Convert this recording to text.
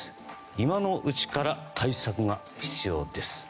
今のうちから対策が必要です。